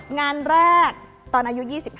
งานแรกตอนอายุ๒๕